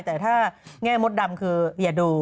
แต่ถ้าแง่มดดำคืออย่าดู